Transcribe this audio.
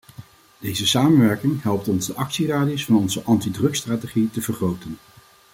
Deze samenwerking helpt ons de actieradius van onze antidrugsstrategie te vergroten.